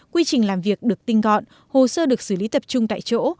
quy trình làm việc được tinh gọn hồ sơ được xử lý tập trung tại chỗ